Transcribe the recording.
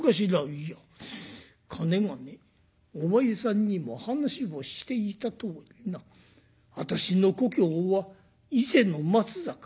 「いやかねがねお前さんにも話をしていたとおりな私の故郷は伊勢の松坂。